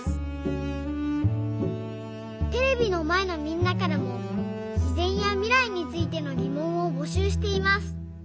テレビのまえのみんなからもしぜんやみらいについてのぎもんをぼしゅうしています。